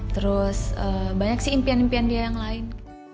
terus banyak sih impian impian dia yang lain